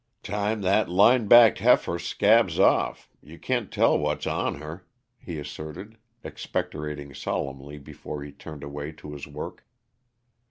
"Time that line backed heifer scabs off, you can't tell what's on her," he asserted, expectorating solemnly before he turned away to his work.